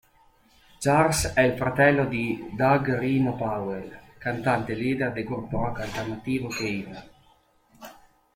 Charles è il fratello di "Doug "Rhino" Powell", cantante leader del gruppo rock-alternativo "Cave"